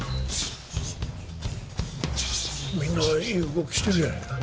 みんないい動きしてるじゃないか。